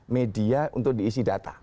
media untuk diisi data